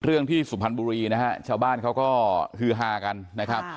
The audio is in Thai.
ที่สุพรรณบุรีนะฮะชาวบ้านเขาก็ฮือฮากันนะครับ